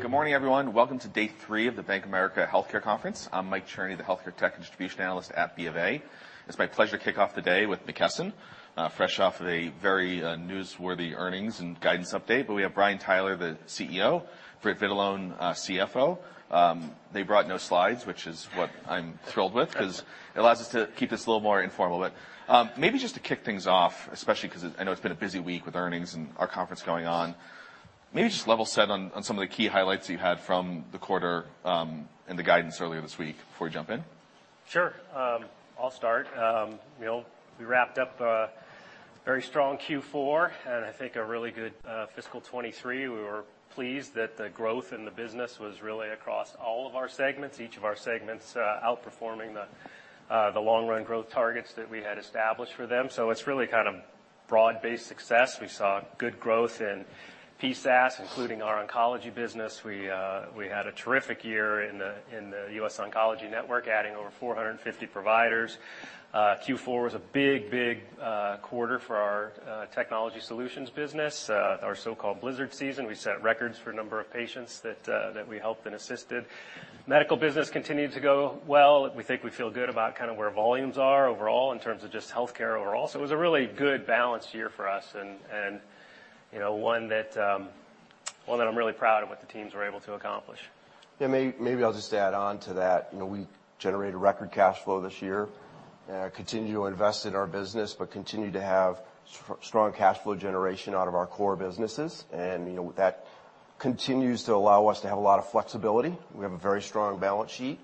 Good morning, everyone. Welcome to day three of the Bank of America Healthcare Conference. I'm Michael Cherny, the healthcare tech distribution analyst at BofA. It's my pleasure to kick off the day with McKesson, fresh off of a very newsworthy earnings and guidance update. We have Brian Tyler, the CEO, Britt Vitalone, CFO. They brought no slides, which is what I'm thrilled with because it allows us to keep this a little more informal. Maybe just to kick things off, especially because I know it's been a busy week with earnings and our conference going on, maybe just level set on some of the key highlights you had from the quarter, and the guidance earlier this week before we jump in. Sure. I'll start. you know, we wrapped up a very strong Q4, and I think a really good, fiscal 2023. We were pleased that the growth in the business was really across all of our segments, each of our segments, outperforming the long run growth targets that we had established for them. It's really kind of broad-based success. We saw good growth in PSaS, including our oncology business. We had a terrific year in The US Oncology Network, adding over 450 providers. Q4 was a big, big quarter for our, technology solutions business. Our so-called blizzard season, we set records for number of patients that we helped and assisted. Medical business continued to go well. We think we feel good about kinda where volumes are overall in terms of just healthcare overall. It was a really good balanced year for us and, you know, one that, one that I'm really proud of what the teams were able to accomplish. Yeah. Maybe I'll just add on to that. You know, we generated record cash flow this year, continue to invest in our business, but continue to have strong cash flow generation out of our core businesses. You know, that continues to allow us to have a lot of flexibility. We have a very strong balance sheet,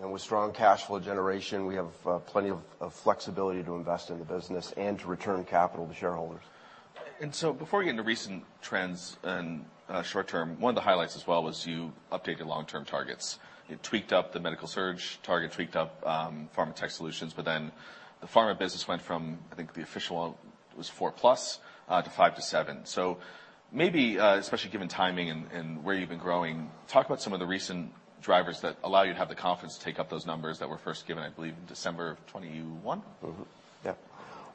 and with strong cash flow generation, we have plenty of flexibility to invest in the business and to return capital to shareholders. Before we get into recent trends and short term, one of the highlights as well was you updated long-term targets. You tweaked up the MedSurg target, tweaked up Prescription Technology Solutions, the pharma business went from, I think, the official was 4+, to 5%-7%. Maybe, especially given timing and where you've been growing, talk about some of the recent drivers that allow you to have the confidence to take up those numbers that were first given, I believe, in December of 2021. Yeah.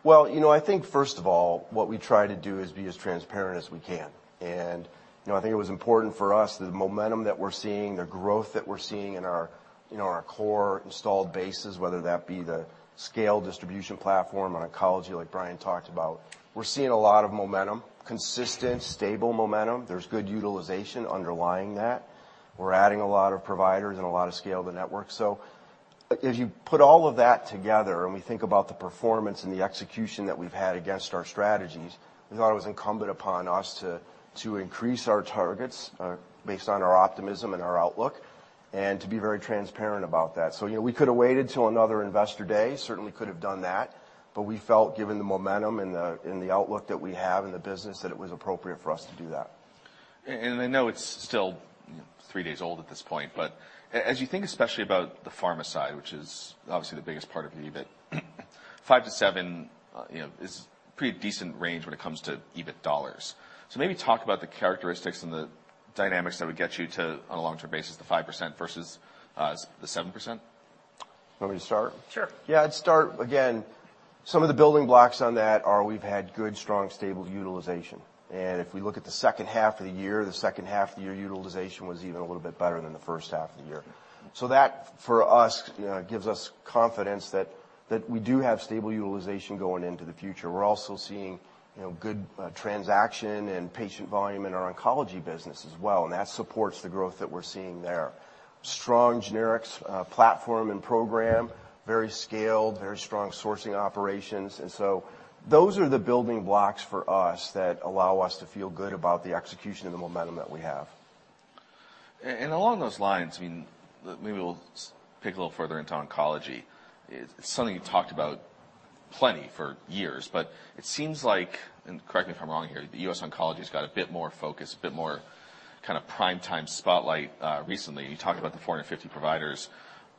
Well, you know, I think first of all, what we try to do is be as transparent as we can. You know, I think it was important for us, the momentum that we're seeing, the growth that we're seeing in our, you know, our core installed bases, whether that be the scale distribution platform on oncology, like Brian talked about, we're seeing a lot of momentum, consistent, stable momentum. There's good utilization underlying that. We're adding a lot of providers and a lot of scale to network. As you put all of that together and we think about the performance and the execution that we've had against our strategies, we thought it was incumbent upon us to increase our targets, based on our optimism and our outlook, and to be very transparent about that. You know, we could have waited till another Investor Day, certainly could have done that. We felt, given the momentum and the outlook that we have in the business, that it was appropriate for us to do that. I know it's still three days old at this point, but as you think, especially about the pharma side, which is obviously the biggest part of the EBIT, 5%-7%, you know, is pretty decent range when it comes to EBIT dollars. Maybe talk about the characteristics and the dynamics that would get you to, on a long-term basis, the 5% versus the 7%. You want me to start? Sure. Yeah, I'd start. Again, some of the building blocks on that are we've had good, strong, stable utilization. If we look at the second half of the year, the second half of the year utilization was even a little bit better than the first half of the year. That, for us, you know, gives us confidence that we do have stable utilization going into the future. We're also seeing, you know, good transaction and patient volume in our oncology business as well, and that supports the growth that we're seeing there. Strong generics, platform and program, very scaled, very strong sourcing operations. Those are the building blocks for us that allow us to feel good about the execution and the momentum that we have. Along those lines, I mean, maybe we'll pick a little further into oncology. It's something you talked about plenty for years, but it seems like, correct me if I'm wrong here, the US Oncology's got a bit more focus, a bit more kinda primetime spotlight, recently. You talked about the 450 providers.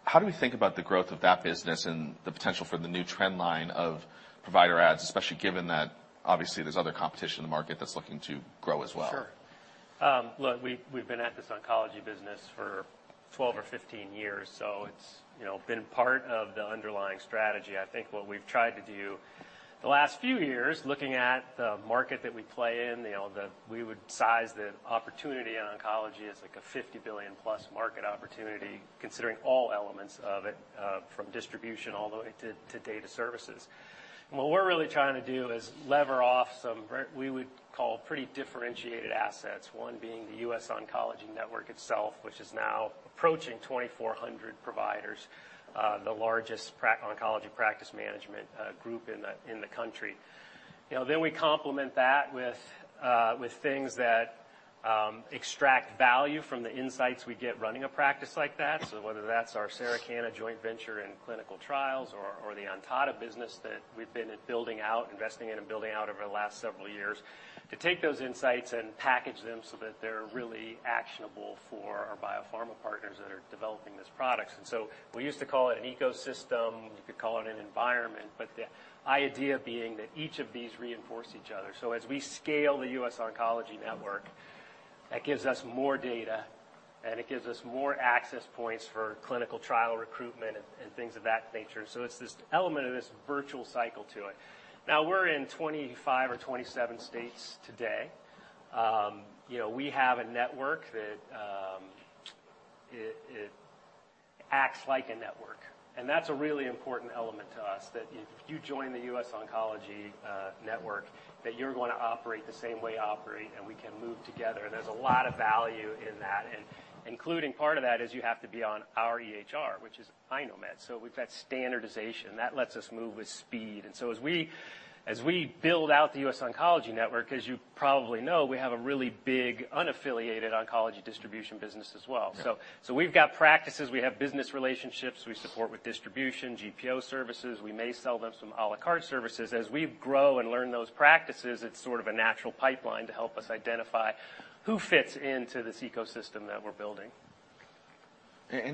How do we think about the growth of that business and the potential for the new trend line of provider ads, especially given that obviously there's other competition in the market that's looking to grow as well? Sure. Look, we've been at this oncology business for 12 or 15 years, it's, you know, been part of the underlying strategy. I think what we've tried to do the last few years, looking at the market that we play in, you know, we would size the opportunity in oncology as like a $50 billion-plus market opportunity, considering all elements of it, from distribution all the way to data services. What we're really trying to do is lever off some pretty differentiated assets, one being The US Oncology Network itself, which is now approaching 2,400 providers, the largest oncology practice management group in the country. You know, we complement that with things that extract value from the insights we get running a practice like that. Whether that's our Sarah Cannon Research Institute joint venture in clinical trials or the Ontada business that we've been building out, investing in and building out over the last several years, to take those insights and package them so that they're really actionable for our biopharma partners that are developing these products. We used to call it an ecosystem. You could call it an environment, but the idea being that each of these reinforce each other. As we scale The US Oncology Network, that gives us more dataAnd it gives us more access points for clinical trial recruitment and things of that nature. It's this element of this virtual cycle to it. Now we're in 25 or 27 states today. you know, we have a network that, it acts like a network. That's a really important element to us, that if you join the US Oncology Network, that you're gonna operate the same way, and we can move together. There's a lot of value in that. Including part of that is you have to be on our EHR, which is iKnowMed. We've got standardization. That lets us move with speed. As we build out the US Oncology Network, as you probably know, we have a really big unaffiliated oncology distribution business as well. Yeah. We've got practices, we have business relationships we support with distribution, GPO services, we may sell them some à la carte services. As we grow and learn those practices, it's sort of a natural pipeline to help us identify who fits into this ecosystem that we're building.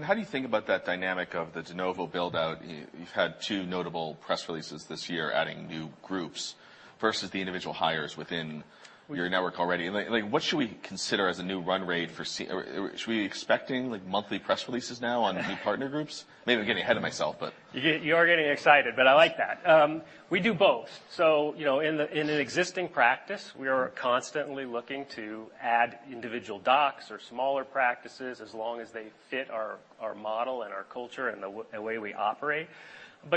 How do you think about that dynamic of the de novo build-out? You've had two notable press releases this year adding new groups versus the individual hires within your network already. What should we consider as a new run rate? Should we be expecting like monthly press releases now on new partner groups? Maybe I'm getting ahead of myself. You are getting excited, I like that. We do both. You know, in an existing practice, we are constantly looking to add individual docs or smaller practices as long as they fit our model and our culture and the way we operate.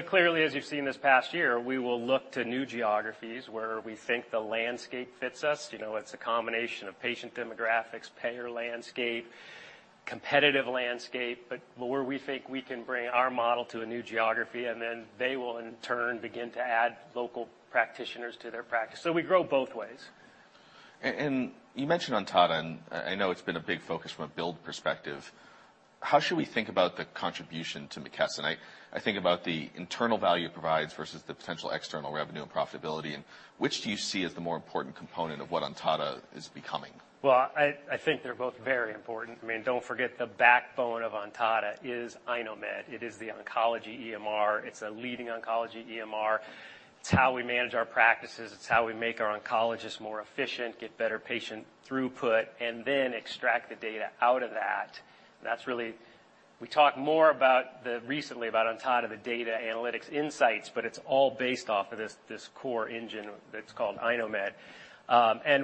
Clearly, as you've seen this past year, we will look to new geographies where we think the landscape fits us. You know, it's a combination of patient demographics, payer landscape, competitive landscape, but where we think we can bring our model to a new geography. They will in turn begin to add local practitioners to their practice. We grow both ways. You mentioned Ontada, and I know it's been a big focus from a build perspective. How should we think about the contribution to McKesson? I think about the internal value it provides versus the potential external revenue and profitability. Which do you see as the more important component of what Ontada is becoming? Well, I think they're both very important. I mean, don't forget, the backbone of Ontada is iKnowMed. It is the oncology EMR. It's a leading oncology EMR. It's how we manage our practices. It's how we make our oncologists more efficient, get better patient throughput, and then extract the data out of that. That's really. We talked more recently about Ontada, the data analytics insights, but it's all based off of this core engine that's called iKnowMed.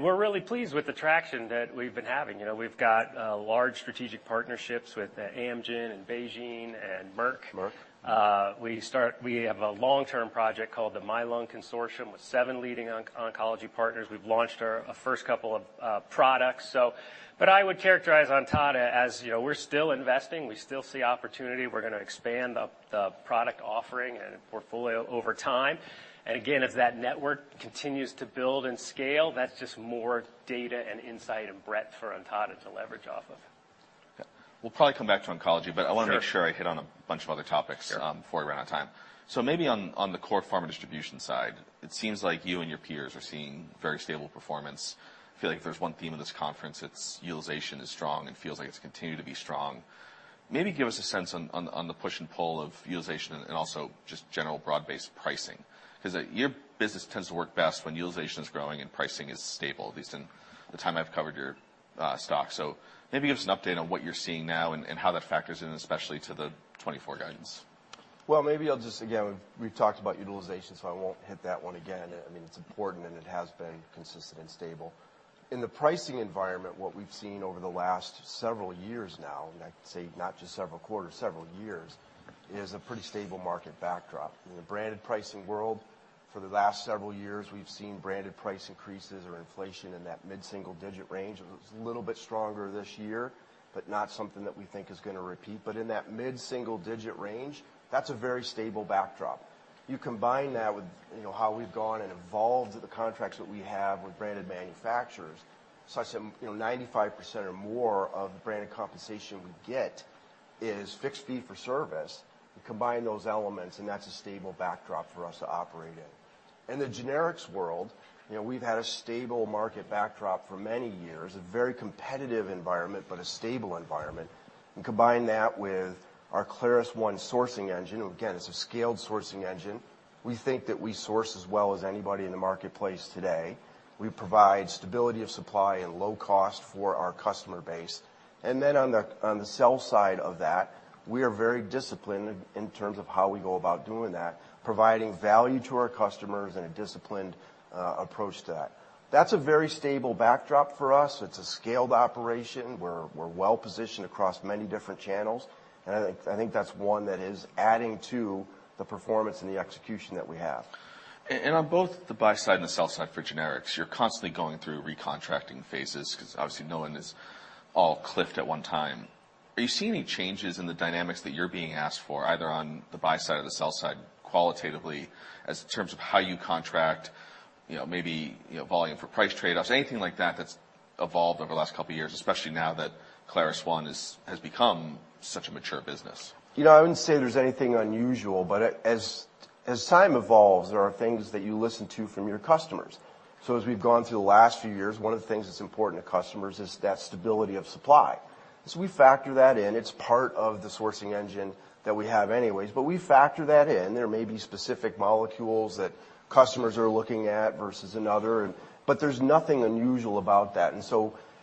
We're really pleased with the traction that we've been having. You know, we've got large strategic partnerships with Amgen and BeiGene and Merck. Merck. We have a long-term project called the MYLUNG Consortium with seven leading oncology partners. We've launched our first couple of products. I would characterize Ontada as, you know, we're still investing, we still see opportunity. We're gonna expand up the product offering and portfolio over time. Again, as that network continues to build and scale, that's just more data and insight and breadth for Ontada to leverage off of. Okay. We'll probably come back to oncology. Sure. I wanna make sure I hit on a bunch of other topics. Sure. Before we run out of time. Maybe on the core pharma distribution side. It seems like you and your peers are seeing very stable performance. Feel like if there's one theme in this conference, it's utilization is strong and feels like it's continued to be strong. Maybe give us a sense on the push and pull of utilization and also just general broad-based pricing. 'Cause your business tends to work best when utilization is growing and pricing is stable, at least in the time I've covered your stock. Maybe give us an update on what you're seeing now and how that factors in, especially to the 2024 guidance. Maybe I'll just, We've talked about utilization, so I won't hit that one again. I mean, it's important, and it has been consistent and stable. In the pricing environment, what we've seen over the last several years now, and I'd say not just several quarters, several years, is a pretty stable market backdrop. In the branded pricing world, for the last several years, we've seen branded price increases or inflation in that mid-single digit range. It was a little bit stronger this year, but not something that we think is gonna repeat. In that mid-single digit range, that's a very stable backdrop. You combine that with, you know, how we've gone and evolved the contracts that we have with branded manufacturers, such that, you know, 95% or more of the branded compensation we get is fixed fee for service. You combine those elements, that's a stable backdrop for us to operate in. In the generics world, you know, we've had a stable market backdrop for many years, a very competitive environment, but a stable environment. You combine that with our ClarusONE sourcing engine, again, it's a scaled sourcing engine. We think that we source as well as anybody in the marketplace today. We provide stability of supply and low cost for our customer base. On the, on the sell side of that, we are very disciplined in terms of how we go about doing that, providing value to our customers and a disciplined approach to that. That's a very stable backdrop for us. It's a scaled operation. We're well positioned across many different channels. I think that's one that is adding to the performance and the execution that we have. On both the buy side and the sell side for generics, you're constantly going through recontracting phases because obviously no one is all cliffed at one time. Are you seeing any changes in the dynamics that you're being asked for, either on the buy side or the sell side qualitatively as in terms of how you contract, you know, maybe, you know, volume for price trade-offs, anything like that that's evolved over the last couple of years, especially now that ClarusONE has become such a mature business? You know, I wouldn't say there's anything unusual, as time evolves, there are things that you listen to from your customers. As we've gone through the last few years, one of the things that's important to customers is that stability of supply. We factor that in. It's part of the sourcing engine that we have anyways, but we factor that in. There may be specific molecules that customers are looking at versus another. There's nothing unusual about that.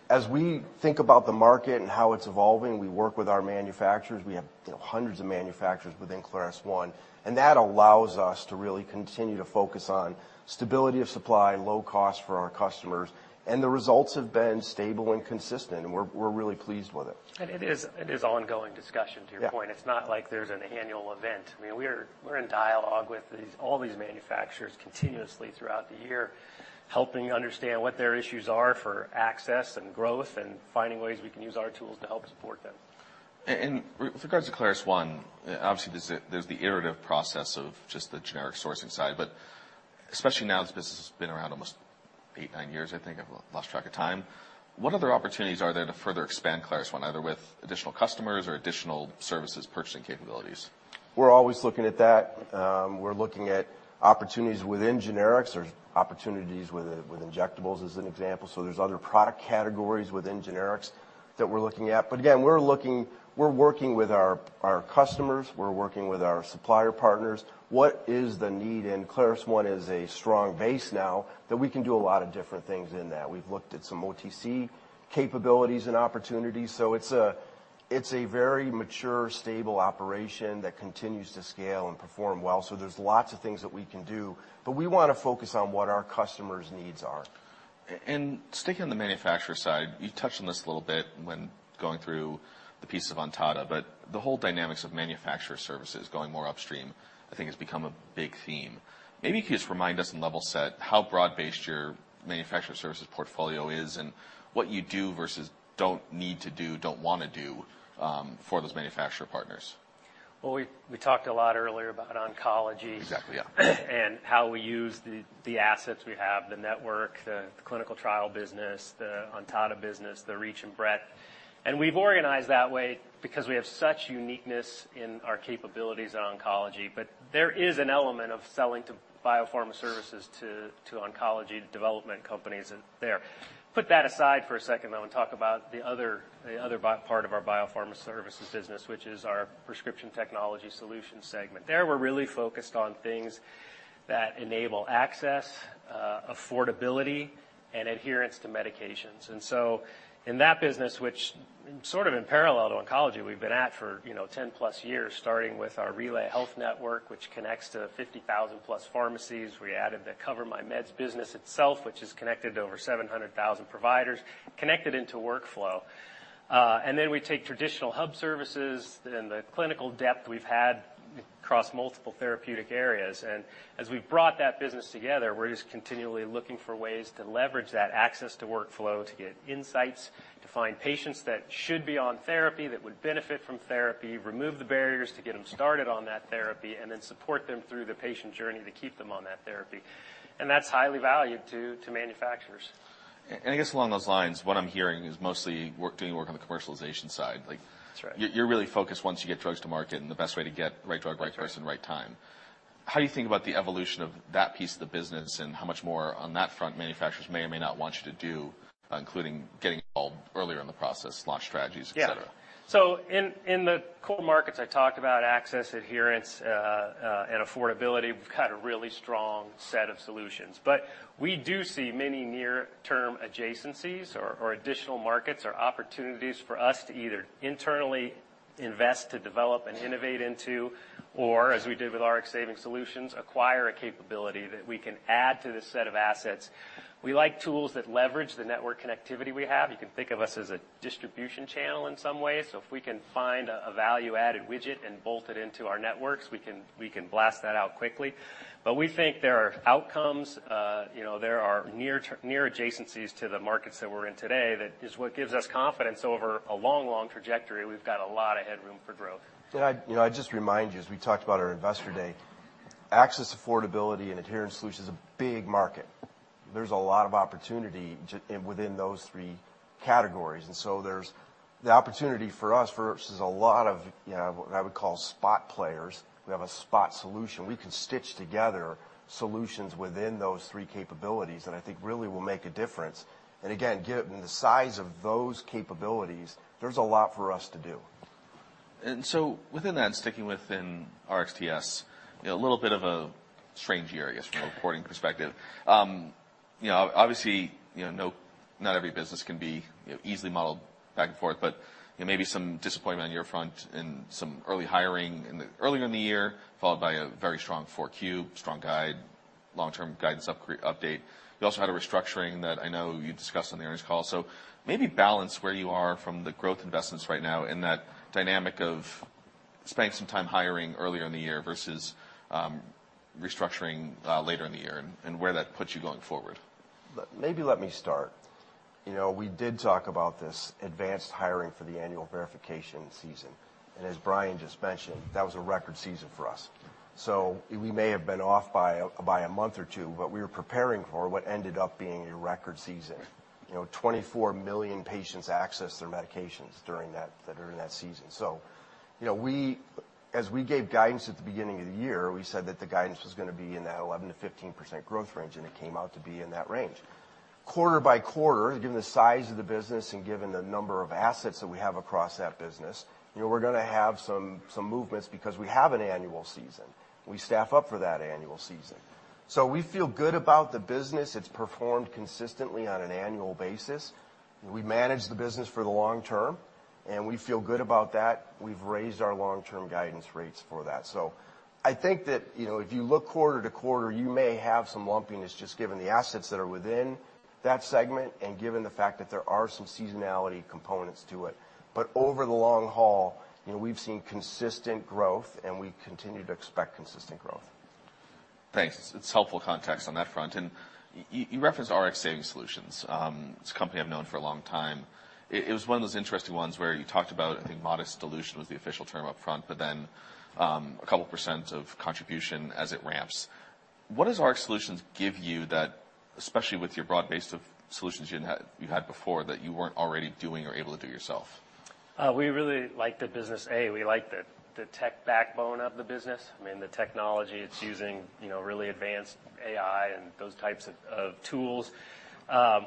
As we think about the market and how it's evolving, we work with our manufacturers. We have hundreds of manufacturers within ClarusONE. That allows us to really continue to focus on stability of supply and low cost for our customers. The results have been stable and consistent, and we're really pleased with it. It is ongoing discussion, to your point. Yeah. It's not like there's an annual event. I mean, we're in dialogue with all these manufacturers continuously throughout the year, helping understand what their issues are for access and growth and finding ways we can use our tools to help support them. With regards to ClarusONE, obviously there's the iterative process of just the generic sourcing side, but especially now, this business has been around almost eight, nine years, I think. I've lost track of time. What other opportunities are there to further expand ClarusONE, either with additional customers or additional services purchasing capabilities? We're always looking at that. We're looking at opportunities within generics. There's opportunities with injectables, as an example. There's other product categories within generics that we're looking at. Again, we're working with our customers. We're working with our supplier partners. What is the need? ClarusONE is a strong base now that we can do a lot of different things in that. We've looked at some OTC capabilities and opportunities. It's a, it's a very mature, stable operation that continues to scale and perform well. There's lots of things that we can do, but we wanna focus on what our customers' needs are. Sticking on the manufacturer side, you touched on this a little bit when going through the piece of Ontada, but the whole dynamics of manufacturer services going more upstream, I think has become a big theme. Maybe you could just remind us and level set how broad-based your manufacturer services portfolio is and what you do versus don't need to do, don't wanna do, for those manufacturer partners? Well, we talked a lot earlier about oncology. Exactly, yeah. And how we use the assets we have, the network, the clinical trial business, the Ontada business, the reach and breadth. We've organized that way because we have such uniqueness in our capabilities in oncology. There is an element of selling to biopharma services to oncology development companies there. Put that aside for a second, though, and talk about the other part of our biopharma services business, which is our Prescription Technology Solutions segment. There, we're really focused on things that enable access, affordability, and adherence to medications. In that business, which sort of in parallel to oncology, we've been at for, you know, 10-plus years, starting with our RelayHealth Network, which connects to 50,000-plus pharmacies. We added the CoverMyMeds business itself, which is connected to over 700,000 providers, connected into workflow. Then we take traditional hub services and the clinical depth we've had across multiple therapeutic areas. As we've brought that business together, we're just continually looking for ways to leverage that access to workflow to get insights, to find patients that should be on therapy that would benefit from therapy, remove the barriers to get them started on that therapy, and then support them through the patient journey to keep them on that therapy. That's highly valued to manufacturers. I guess along those lines, what I'm hearing is mostly doing work on the commercialization side. That's right. You're really focused once you get drugs to market and the best way to get right drug, right person, right time. How do you think about the evolution of that piece of the business and how much more on that front manufacturers may or may not want you to do, including getting involved earlier in the process, launch strategies, et cetera? Yeah. In the core markets, I talked about access, adherence and affordability. We've got a really strong set of solutions. We do see many near-term adjacencies or additional markets or opportunities for us to either internally invest to develop and innovate into, or, as we did with Rx Savings Solutions, acquire a capability that we can add to the set of assets. We like tools that leverage the network connectivity we have. You can think of us as a distribution channel in some ways. If we can find a value-added widget and bolt it into our networks, we can blast that out quickly. We think there are outcomes, you know, there are near adjacencies to the markets that we're in today that is what gives us confidence over a long trajectory. We've got a lot of headroom for growth. You know, I'd just remind you, as we talked about our Investor Day, access, affordability, and adherence solutions is a big market. There's a lot of opportunity within those three categories. There's the opportunity for us versus a lot of, you know, what I would call spot players. We have a spot solution. We can stitch together solutions within those three capabilities that I think really will make a difference. Again, given the size of those capabilities, there's a lot for us to do. Within that, sticking within RXTS, you know, a little bit of a strange year, I guess, from a reporting perspective. You know, obviously, you know, not every business can be, you know, easily modeled back and forth, but, you know, maybe some disappointment on your front in some early hiring earlier in the year, followed by a very strong 4Q, strong guide, long-term guidance update. You also had a restructuring that I know you discussed on the earnings call. Maybe balance where you are from the growth investments right now in that dynamic of spending some time hiring earlier in the year versus restructuring later in the year and where that puts you going forward. Maybe let me start. You know, we did talk about this advanced hiring for the annual verification season. As Brian just mentioned, that was a record season for us. We may have been off by a month or two, but we were preparing for what ended up being a record season. You know, 24 million patients accessed their medications during that season. You know, we, as we gave guidance at the beginning of the year, we said that the guidance was gonna be in that 11%-15% growth range, and it came out to be in that range. Quarter by quarter, given the size of the business and given the number of assets that we have across that business, you know, we're gonna have some movements because we have an annual season. We staff up for that annual season. We feel good about the business. It's performed consistently on an annual basis. We manage the business for the long term, and we feel good about that. We've raised our long-term guidance rates for that. I think that, you know, if you look quarter to quarter, you may have some lumpiness just given the assets that are within that segment and given the fact that there are some seasonality components to it. Over the long haul, you know, we've seen consistent growth, and we continue to expect consistent growth. Thanks. It's helpful context on that front. You referenced Rx Savings Solutions, it's a company I've known for a long time. It was one of those interesting ones where you talked about, I think, modest dilution was the official term upfront, a couple percent of contribution as it ramps. What does Rx Solutions give you that, especially with your broad base of solutions you had before that you weren't already doing or able to do yourself? We really like the business. We like the tech backbone of the business. I mean, the technology, it's using, you know, really advanced AI and those types of tools.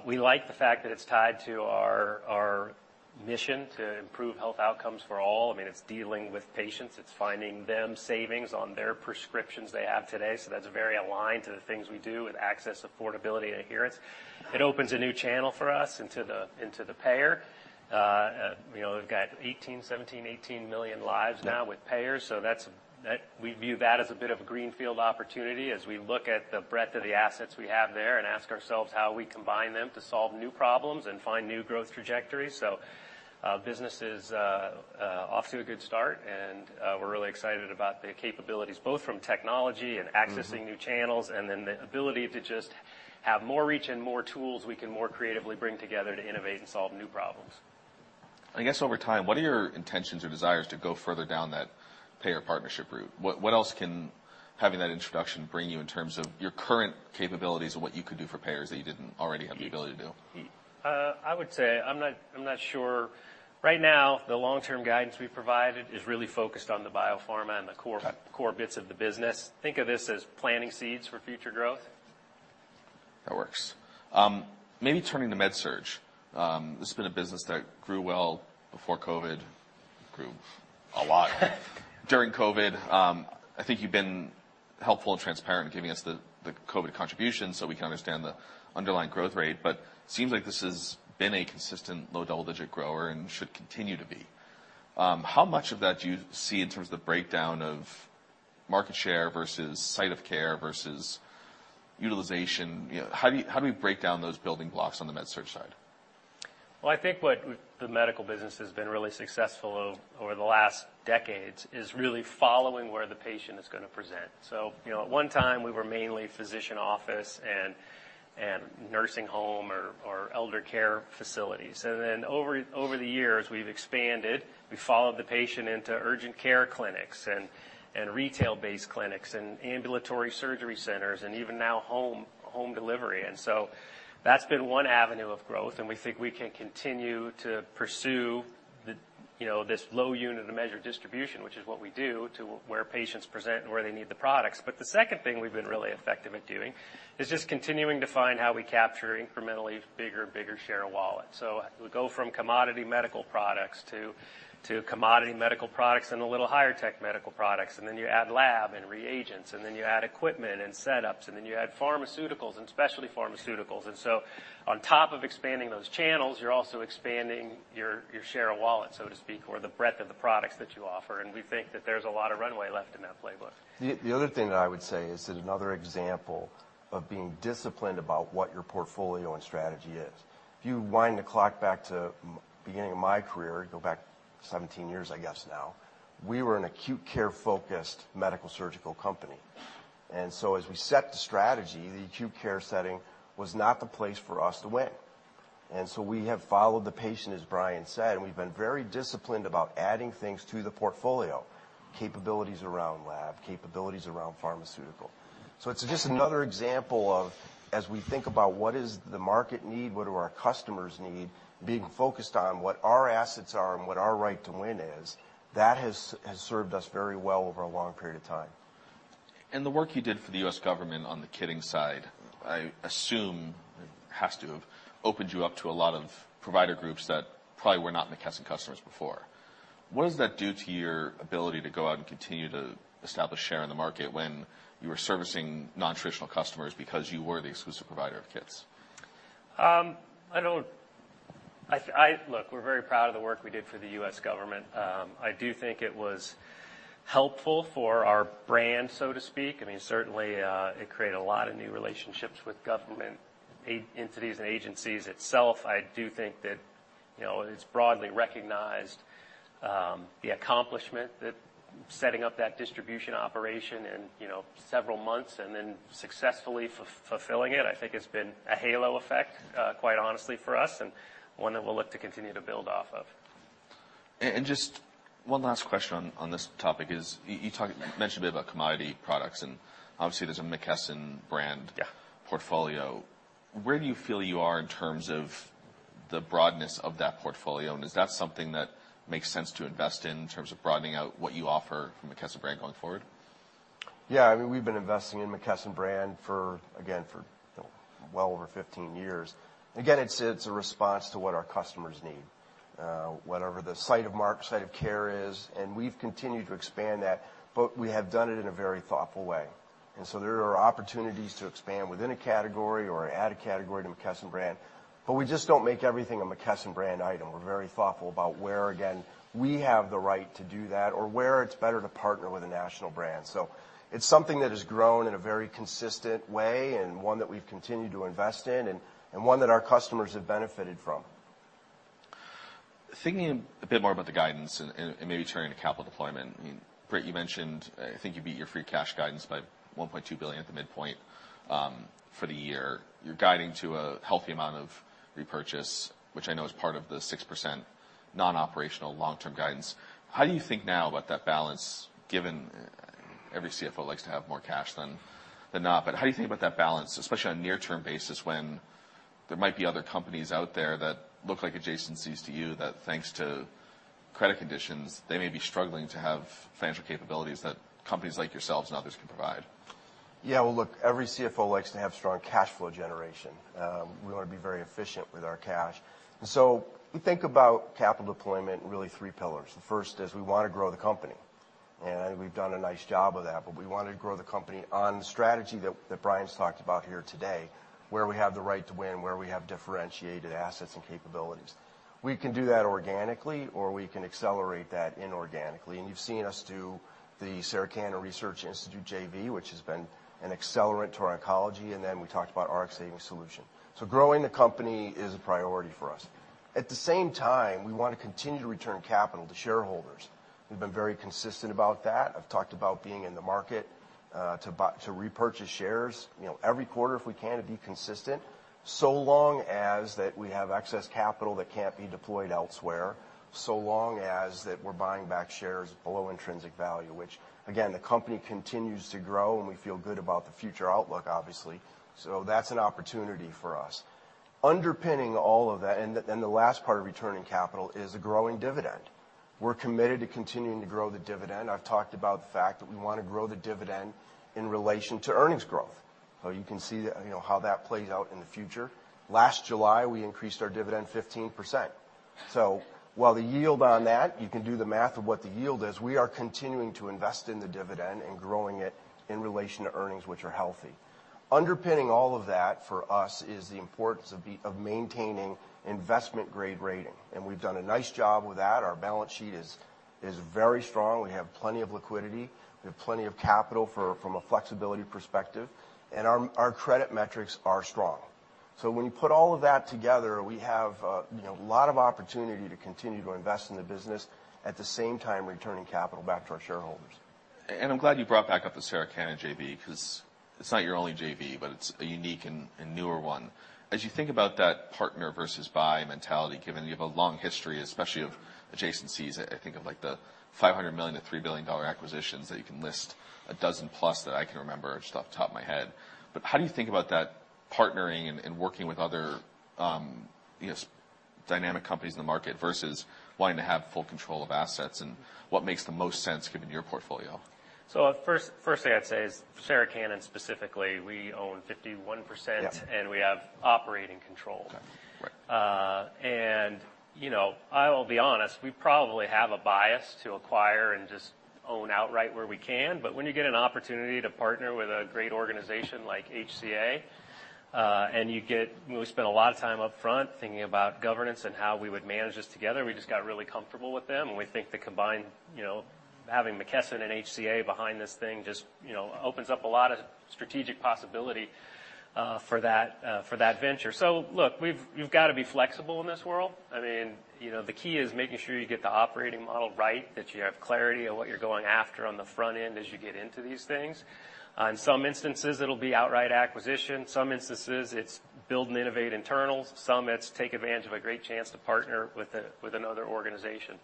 We like the fact that it's tied to our mission to improve health outcomes for all. I mean, it's dealing with patients, it's finding them savings on their prescriptions they have today, so that's very aligned to the things we do with access, affordability, and adherence. It opens a new channel for us into the payer. You know, we've got 18, 17, 18 million lives now with payers, so that's, we view that as a bit of a greenfield opportunity as we look at the breadth of the assets we have there and ask ourselves how we combine them to solve new problems and find new growth trajectories. Business is off to a good start, and we're really excited about the capabilities, both from technology and accessing new channels, and then the ability to just have more reach and more tools we can more creatively bring together to innovate and solve new problems. I guess over time, what are your intentions or desires to go further down that payer partnership route? What, what else can having that introduction bring you in terms of your current capabilities and what you could do for payers that you didn't already have the ability to do? I would say I'm not, I'm not sure. Right now, the long-term guidance we've provided is really focused on the biopharma and. Okay Core bits of the business. Think of this as planting seeds for future growth. That works. Maybe turning to MedSurg. This has been a business that grew well before COVID, grew a lot during COVID. I think you've been helpful and transparent in giving us the COVID contribution so we can understand the underlying growth rate. Seems like this has been a consistent low double-digit grower and should continue to be. How much of that do you see in terms of the breakdown of market share versus site of care versus utilization? You know, how do we break down those building blocks on the MedSurg side? I think what the medical business has been really successful over the last decades is really following where the patient is gonna present. You know, at one time, we were mainly physician office and nursing home or elder care facilities. Over the years, we've expanded. We followed the patient into urgent care clinics and retail-based clinics and ambulatory surgery centers and even now home delivery. That's been one avenue of growth, and we think we can continue to pursue the, you know, this low unit of measured distribution, which is what we do, to where patients present and where they need the products. The second thing we've been really effective at doing is just continuing to find how we capture incrementally bigger and bigger share of wallet. We go from commodity medical products to commodity medical products and a little higher tech medical products, and then you add lab and reagents, and then you add equipment and setups, and then you add pharmaceuticals and specialty pharmaceuticals. On top of expanding those channels, you're also expanding your share of wallet, so to speak, or the breadth of the products that you offer. We think that there's a lot of runway left in that playbook. The other thing that I would say is that another example of being disciplined about what your portfolio and strategy is. If you wind the clock back to beginning of my career, go back 17 years I guess now, we were an acute care-focused Medical-Surgical company. As we set the strategy, the acute care setting was not the place for us to win. We have followed the patient, as Brian said, and we've been very disciplined about adding things to the portfolio, capabilities around lab, capabilities around pharmaceutical. It's just another example of, as we think about what is the market need, what do our customers need, being focused on what our assets are and what our right to win is, that has served us very well over a long period of time. The work you did for the U.S. government on the kitting side, I assume has to have opened you up to a lot of provider groups that probably were not McKesson customers before. What does that do to your ability to go out and continue to establish share in the market when you are servicing non-traditional customers because you were the exclusive provider of kits? Look, we're very proud of the work we did for the US government. I do think it was helpful for our brand, so to speak. I mean, certainly, it created a lot of new relationships with government entities and agencies itself. I do think that, you know, it's broadly recognized, the accomplishment that setting up that distribution operation in, you know, several months and then successfully fulfilling it, I think it's been a halo effect, quite honestly for us, and one that we'll look to continue to build off of. Just one last question on this topic is you mentioned a bit about commodity products, and obviously, there's a McKesson Brand. Yeah Portfolio. Where do you feel you are in terms of the broadness of that portfolio? Is that something that makes sense to invest in in terms of broadening out what you offer from a McKesson brand going forward? Yeah, I mean, we've been investing in McKesson Brands for, again, for well over 15 years. Again, it's a response to what our customers need, whatever the site of care is, and we've continued to expand that. We have done it in a very thoughtful way. There are opportunities to expand within a category or add a category to McKesson Brands, but we just don't make everything a McKesson Brands item. We're very thoughtful about where, again, we have the right to do that or where it's better to partner with a national brand. It's something that has grown in a very consistent way and one that we've continued to invest in and one that our customers have benefited from. Thinking a bit more about the guidance and maybe turning to capital deployment. Britt, you mentioned, I think you beat your free cash guidance by $1.2 billion at the midpoint for the year. You're guiding to a healthy amount of repurchase, which I know is part of the 6% non-operational long-term guidance. How do you think now about that balance, given every CFO likes to have more cash than not? How do you think about that balance, especially on a near-term basis, when there might be other companies out there that look like adjacencies to you that, thanks to credit conditions, they may be struggling to have financial capabilities that companies like yourselves and others can provide? Yeah. Well, look, every CFO likes to have strong cash flow generation. We wanna be very efficient with our cash. We think about capital deployment in really three pillars. The first is we wanna grow the company. I think we've done a nice job of that, but we wanna grow the company on the strategy that Brian's talked about here today, where we have the right to win, where we have differentiated assets and capabilities. We can do that organically, or we can accelerate that inorganically. You've seen us do the Sarah Cannon Research Institute JV, which has been an accelerant to our oncology, and then we talked about Rx Savings Solutions. Growing the company is a priority for us. At the same time, we wanna continue to return capital to shareholders. We've been very consistent about that. I've talked about being in the market, to repurchase shares, you know, every quarter if we can to be consistent, so long as that we have excess capital that can't be deployed elsewhere, so long as that we're buying back shares below intrinsic value, which again, the company continues to grow, and we feel good about the future outlook, obviously. That's an opportunity for us. Underpinning all of that, and the, and the last part of returning capital is a growing dividend. We're committed to continuing to grow the dividend. I've talked about the fact that we wanna grow the dividend in relation to earnings growth. You can see, you know, how that plays out in the future. Last July, we increased our dividend 15%. While the yield on that, you can do the math of what the yield is, we are continuing to invest in the dividend and growing it in relation to earnings, which are healthy. Underpinning all of that for us is the importance of maintaining investment-grade rating, and we've done a nice job with that. Our balance sheet is very strong. We have plenty of liquidity. We have plenty of capital from a flexibility perspective, and our credit metrics are strong. When you put all of that together, we have, you know, a lot of opportunity to continue to invest in the business, at the same time, returning capital back to our shareholders. I'm glad you brought back up the Sarah Cannon Research Institute JV 'cause it's not your only JV, but it's a unique and newer one. As you think about that partner versus buy mentality, given you have a long history, especially of adjacencies, I think of, like, the $500 million-$3 billion acquisitions that you can list, a dozen plus that I can remember just off the top of my head. How do you think about that partnering and working with other, you know, dynamic companies in the market versus wanting to have full control of assets and what makes the most sense given your portfolio? first thing I'd say is Sarah Cannon Research Institute specifically, we own 51%. Yeah. We have operating control. Okay. Right. You know, I'll be honest, we probably have a bias to acquire and just own outright where we can. When you get an opportunity to partner with a great organization like HCA, you know, we spent a lot of time upfront thinking about governance and how we would manage this together. We just got really comfortable with them, and we think the combined, you know, having McKesson and HCA behind this thing just, you know, opens up a lot of strategic possibility for that, for that venture. Look, we've gotta be flexible in this world. I mean, you know, the key is making sure you get the operating model right, that you have clarity of what you're going after on the front end as you get into these things. In some instances, it'll be outright acquisition. Some instances, it's build and innovate internals. Some, it's take advantage of a great chance to partner with a, with another organization.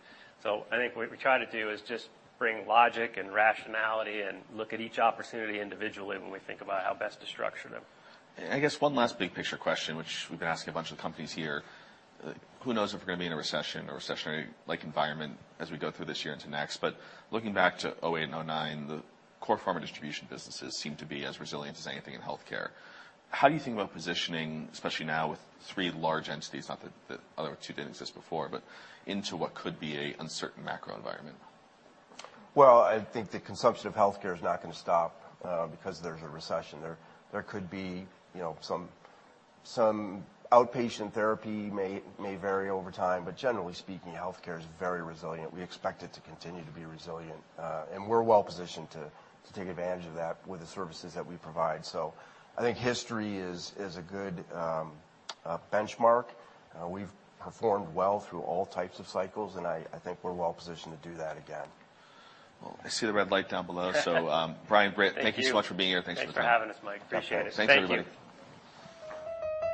I think what we try to do is just bring logic and rationality and look at each opportunity individually when we think about how best to structure them. I guess one last big-picture question, which we've been asking a bunch of companies here. Who knows if we're gonna be in a recession or recessionary-like environment as we go through this year into next. Looking back to 2008 and 2009, the core pharma distribution businesses seem to be as resilient as anything in healthcare. How do you think about positioning, especially now with three large entities, not that the other two didn't exist before, but into what could be an uncertain macro environment? I think the consumption of healthcare is not gonna stop because there's a recession. There could be, you know, some outpatient therapy may vary over time. Generally speaking, healthcare is very resilient. We expect it to continue to be resilient and we're well positioned to take advantage of that with the services that we provide. I think history is a good benchmark. We've performed well through all types of cycles, and I think we're well positioned to do that again. I see the red light down below. Brian. Thank you. Thank you so much for being here. Thanks for the time. Thanks for having us, Mike. Appreciate it. Yeah. Thanks, everybody. Thank you.